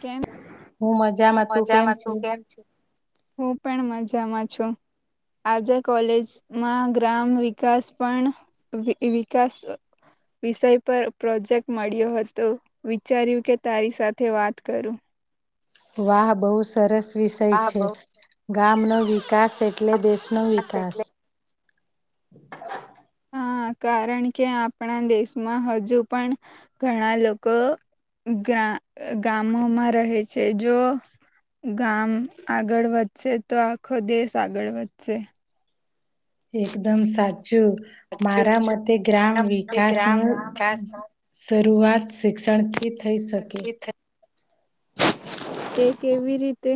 કેમ હું મજામાં તું મજામાં તું કેમ છે. હું પણ મજામાં છું. આજે કોલેજમાં ગ્રામ વિકાસ પણ વિકાસ વિષય પર પ્રોજેક્ટ મળ્યો હતો વિચાર્યું કે તારી સાથે વાત કરું. વાહ બહુ સરસ વિષય છે ગામનો વિકાસ એટલે દેશનો વિકાસ. એટલે હા કારણ કે આપણા દેશમાં હજુ પણ ઘણા લોકો ગા ગામોમાં રહે છે જો ગામ આગળ વધશે તો આખો દેશ આગળ વધશે. એકદમ સાચ હમ મારા મતે ગ્રામ વિકાસ નું શરૂઆત શિક્ષણથી થઈ શકે. એ કેવી રીતે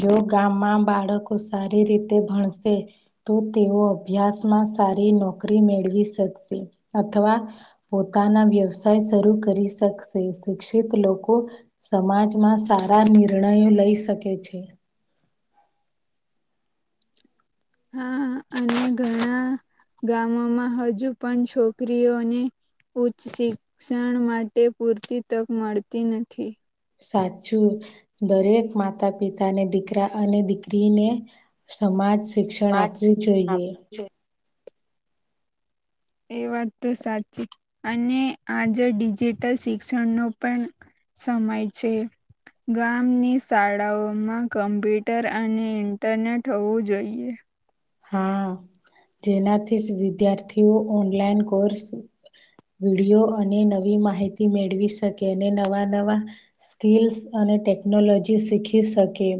જો ગામમાં બાળકો સારી રીતે ભણશે તો તેઓ અભ્યાસમાં સારી નોકરી મેળવી શકશે અથવા પોતાના વ્યવસાય શરૂ કરી શકશે શિક્ષિત લોકો સમાજમાં સારા નિર્ણયો લઈ શકે છે. [inaudible] હા અને ઘણા ગામોમાં હજુ પણ છોકરીઓને ઉચ્ચ શિક્ષણ માટે પૂરતી તક મળતી નથી. સાચું દરેક માતા પિતાને દીકરા અને દીકરીને સમાજ શિક્ષણ આપવું જોઈએ. એ વાત તો સાચી અને આજે ડિજિટલ શિક્ષણનો પણ સમય છે. ગામની શાળાઓમાં કમ્પ્યુટર અને ઇન્ટરનેટ હોવું જોઈએ. હા જેનાથી જ વિદ્યાર્થીઓ ઓનલાઈન કોર્સ વિડીયો અને નવી માહિતી મેળવી શકે અને નવા નવા સ્કીલ્સ અને ટેક્નોલોજી શીખી શકે.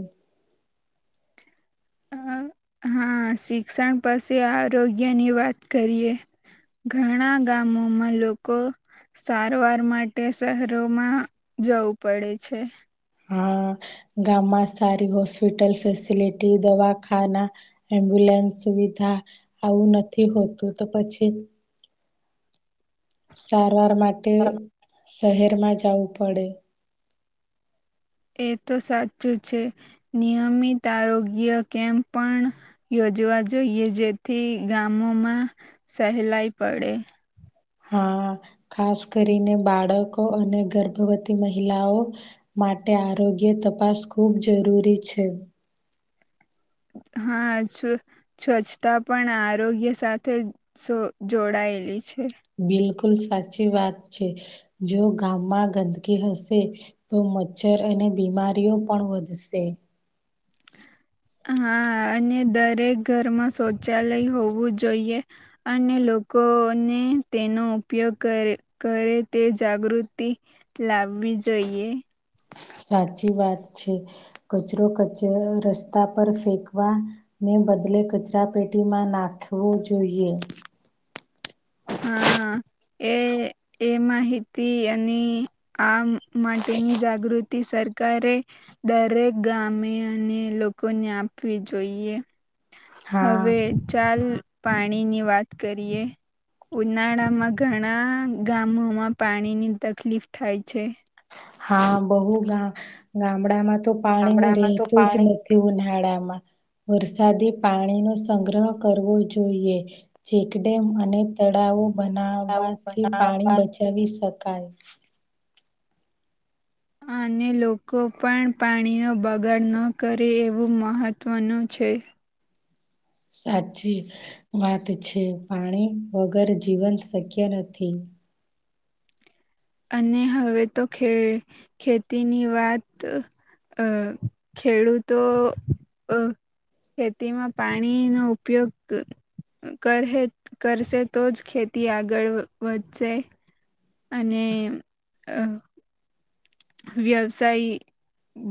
અહ હા શિક્ષણ પસી આરોગ્ય ની વાત કરીએ. ઘણા ગામોમાં લોકો સારવાર માટે શહેરોમાં જવું પડે છે. હા, ગામમા સારી હોસ્પિટલ ફેસિલટી દવાખાના એમ્બુ લાસ સુવિધા આવું નથી, હોતુ તો પછી સારવાર, માટે શહેરમા જવું પડે. એ તો સાચું છે, નિયમિત આરોગ્ય કેમ્પ પણ યોજ જવા જોઈએ, જેથી ગામોમા સહેલાઈ પડે. હા, ખાસ કરીને બાળકો અને ગર્ભવતી મહિલાઓ માટે માટે આરોગ્ય, તપાસ ખૂબ જરૂરી છે. [inaudible] હા, જ સ્વચ્છતા, પણ આરોગ્ય સાથે જો જોડાયેલી છે. બિલકુ કુલ સાચી વાત છે, જો ગામમાં ગંદકી હશે તો મચ્છર અને બીમારીઓ, પણ વધશે [inaudible] હા, અને દરેક ઘરમાં શૌચાલય હોવુ, જોઈએ અને લો લોકોને તેનો ઉપયોગ, કર કરે તે જાગૃતિ લાવ વિજોયે સાચી વાત છે, કચરો કચ રસ્તા પર ફેંકવાને બદલે કચરાપેટીમા, નાખવો જોઈએ હા. એ એ માહિતી, અને આ માટેની જાગૃતિ સર સરકારે દરેક ગામે, અને લોકોને આપવી જોઈએ. હા હવે, ચાલ પાણીની વાત કરીએ ઉનાળામા ઘણા ગામોમા, પાણીની તકલીફ થાય છે. હા, બહુ ગામ ગામડામા તો પાણી હુ રહેેતુ જ નથી ઉનાળામા. વરસાદી પાણી, નો સંગ્રહ કરવો જોઈએ ચેકડેમ અને તળાવો બનાવવાથી, પાણી બચાવી શકાય. અને લોકો, પણ પાણીનો બગાડ ન કરે એવુ મહત્વનુ છે. સાચી વાત છે, પાણી વગર જીવંત શક્ય નથી. [inaudible] અને હવે, તો ખે ખેતીની વાત અ ખેડૂતો અ ખેતીમા પાણી, નો ઉપયોગ કરહે કરશે, તો જ ખેતી આગળ વધશે અને અ વ્યવસાય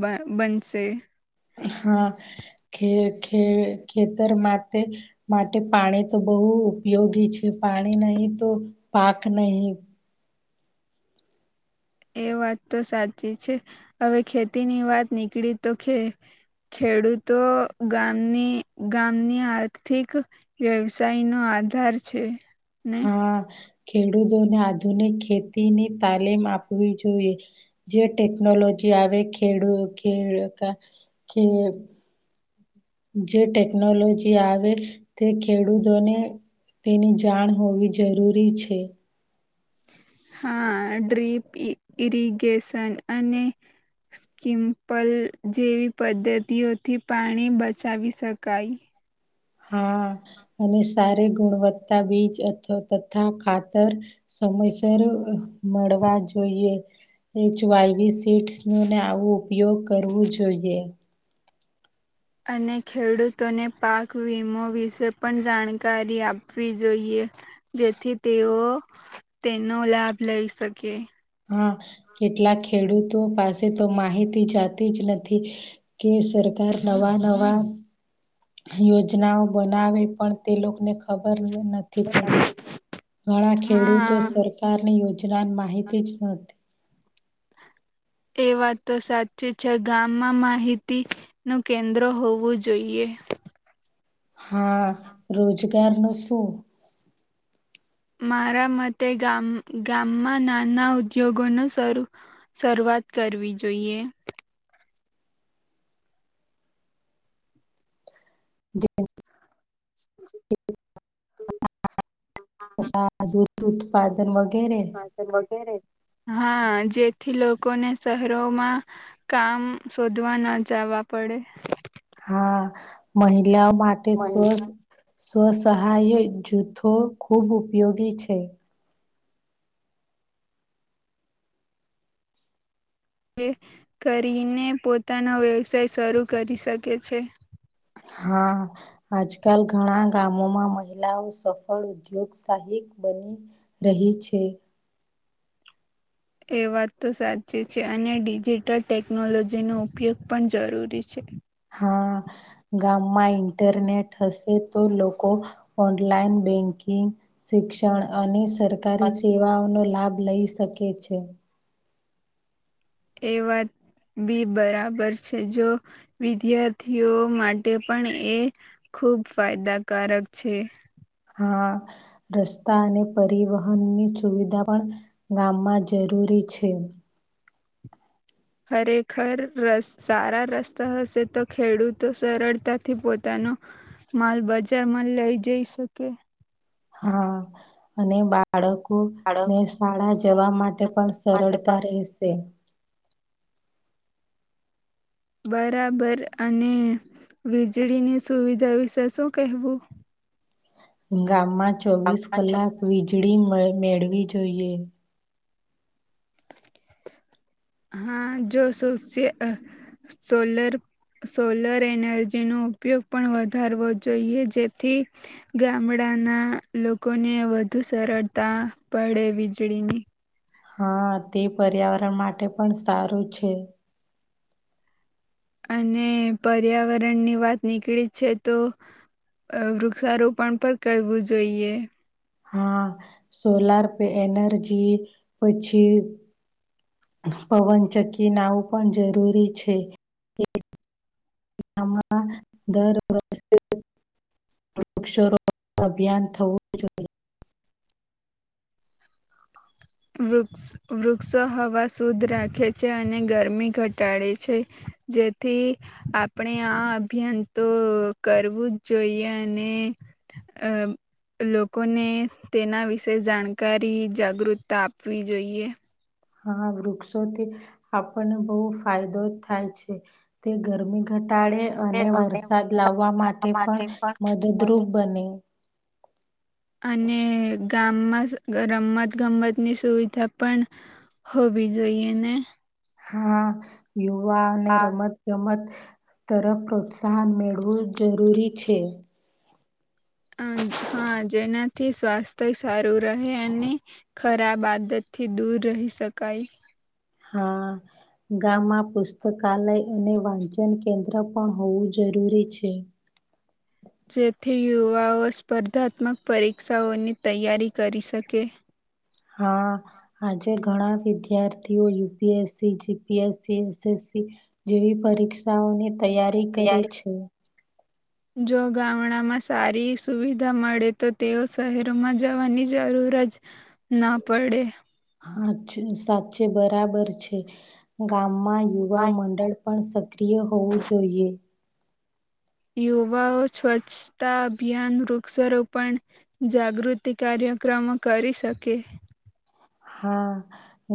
બન બનશે હા, ખે ખે ખેતર માટે માટે પાણી, તો બહુ બવ ઉપયોગી છે, પાણી નહી. તો પાક નહી એ વાત તો સાચી છે, હવે ખેતીની વાત નીકળી તો ખે ખેડૂતો ગામની ગામની આર્થિક, વ્યવસાય નો આધાર છે. ને હા ખેડૂતોને, આધુનિક ખેતીની તાલીમ આપવી જોઈએ, જે ટેકનોલોજી જે આવે, ખેડૂત ખેતી કે જે ટેકનોલોજી આવે, તે ખેડૂતોને તેની જાણ હોવી, જરૂરી છે. હા, ડ્રીપ ઇરિગેશન અને સ્કિમ્પલ જેવી પદ્ધતિઓથી, પાણી બચાવી શકાય. હા, અને સારી ગુણવત્તા બીજ, તથા ખાતર સમયસર મળવા જોઈએ, એચ વાયવી સીટ્સ ન ને આવુ ઉપયોગ કરવો જોઈએ. અને ખેડૂતોને પાક વીમો વિશે પણ જાણકારી આપવી જોઈએ. જેથી તેઓ તેનો લાભ લઈ શકે. હા કેટલાક ખેડૂતો પાસે તો માહિતી જતી જ નથી, કેસર નવા નવા યોજનાઓ બનાવે પણ તે લોકોને ખબર પર નથી પડતી. ઘણા ખેડૂતો હા. સરકારની યોજનાની માહિતી જ નહિ. [unintelligible] [inaudible] એ વાતો સાચી છે, ગામમાં માહિતીનું કેન્દ્ર હોવું જોઈએ. [unintelligible] [inaudible] હા રોજગાર નું શું? મારા મતે ગામમાં નાના ઉદ્યોગોનો શવાત વાત કરવી જોઈએ. જ [inaudible] દૂધ ઉત્પાદન વગ હા સર વગેરે હા જેથી લોકોને શહેરોમાં કામ શોધવા ન જવા. પડે. હા મહિલાઓ માટે સ્વસત સ્વસહાય જૂથો ખૂબ ઉપયોગી છે. જે કરીને પોતાનો વ્યવસાય શરૂ કરી શકે છે. હા આજ કાલ ઘણા ગામોમાં મહિલાઓ સફળ ઉદ્યોગશાહીક બની રહી છે. એ વાત તો સાચી છે, અને ડિજિટલ ટેકનોલોજીનો ઉપયોગ પણ જરૂરી છે. હા ગામમાં ઇન્ટરનેટ હશે તો લોકો ઓનલાઈન બેંકિગ શિક્ષણ અને સરકારી સેવાઓનો લાભ લઈ શકે છે. એ વાત બી બરાબર છે, જો વિદ્યાર્થીઓ માટે પણ એ ખૂબ ફાયદાકારક છે. હ રસ્તા અને પરિવહનની સુવિધા પણ ગામમાં જરૂરી પૂછ્યું. ખરેખર સારા રસ્તા હશે તો ખેડૂતો સરળતાથી પોતાના ન માલ બજારમાં લઈ જઈ શકે. હા અને બાળકોને શાળા જવા માટે પણ સરળતા રહેશે. બરાબર અને વીજળીની સુવિધા વિશે શું કહેવું. ગામમાં ચોવીસ કલાક વીજળી મેળવી જોઈએ. હા જો સો સોલર સોલર એનર્જી નો ઉપયોગ પણ વધારવો જોઈએ જેથી ગામડા ના લોકોને વધુ સરળતા પડે વીજળીની હા તે પર્યાવરણ માટે પણ સારું છે અને પર્યાવરણ ની વાત નીકળી છે તો અ વૃક્ષારોપણ પણ કરવું જોઈએ હા સોલાર પે એનર્જી પછી પવન ચકી નાવું પણ જરૂરી છે નામાં દર વર્ષે વૃક્ષરો અભિયાન થવું જોઈએ વૃક્ષ વૃક્ષો હવા શુદ્ધ રાખે છે અને ગરમી ઘટાડે છે જેથી આપણે આ અભિયાન તો કરવું જ જોઈએ અને અ લોકોને તેના વિશે જાણકારી જાગૃત તા આપવી જોઈએ હા વૃક્ષોથી આપણને બહુ ફાયદો થાય છે તે ગરમી ઘ ઘ ટાળે અને વરસાદ લાવવા માટે પણ મદદરૂપ બને [inaudible] અને ગામમાં રમત ગમતની સુવિધા પણ હોવી જોઈએ ને હા યુવાને રમત ગમત તરફ પ્રોત્સાહન મેળવું જરૂરી છે. અ હા જેનાથી સ્વાસ્થ્ય સારું રહે અને ખરાબ આદતથી દૂર રહી શકાય હા. ગામમાં પુસ્તકાલય અને વાંચન કેન્દ્ર પણ હોવું જરૂરી છે. જેથી યુવાઓ સ્પર્ધાત્મક પરીક્ષાઓની તૈયારી કરી શકે. હા આજે ઘણા વિદ્યાર્થીઓ યુપીએસસી જીપીએસસી એસએસસી જેવી પરીક્ષાઓને તૈયારી કરે છે. જો ગામડામાં સારી સુવિધા મળે તો તેઓ શહેરોમાં જવાની જરૂર જરૂર જ ના પડે સા સાચે બરાબર છે ગામમાં યુવા મંડળ પણ સક્રિય હોવું જોઈએ યુવાઓ સ્વચ્છતા અભિયાન વૃક્ષારોપણ જાગૃતિ કાર્યો ક્રમ કરી શકે હા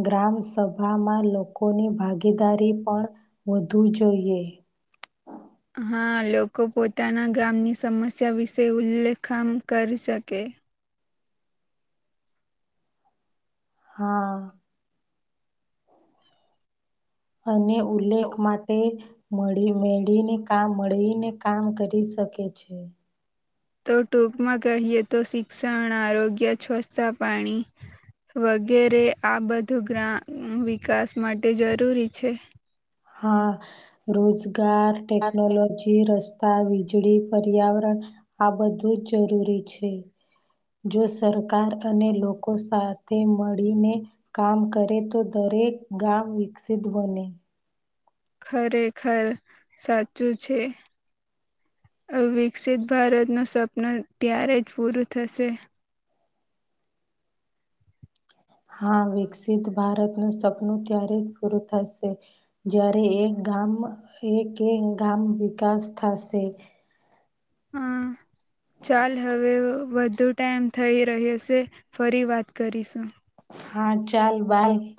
ગ્રામ સભામાં લોકોની ભાગીદારી પણ- વધુ જોઈએ હા લોકો પોતાના ગામની સમસ્યા વિશે ઉલ્લેખમ કરી શકે. હા. અને ઉલ્લેખ માટે મળી મેળીને કામ મળીને કામ કરી શકે છે. તો ટૂંકમાં કહીએ તો શિક્ષણ આરોગ્ય છવચ્છતા પાણી- વગેરે આ બધું ગ્રામ વિકાસ માટે જરૂરી છે. હા રોજગાર ટેક્નોલોજી રસ્ વીજળી પર્યાવરણ આ બધું જ જરૂરી છે જો સરકાર અને લોકો સાથે મળીને કામ કરે તો દરેક ગામ વિકસિત બને ખરેખર સાચું છે. અ વિકસિત ભારતનું સવપન ત્યારે જ પૂરું થશે હા વિકસિત ભારતનું સપનું ત્યારે પૂરું થશે જ્યારે એક ગામ એ ગામ વિકાસ થશે હા. ચાલ હવે વધુ ટાઈમ થઈ રહ્યોશે ફરી વાત કરીશું. હા ચાલ બાય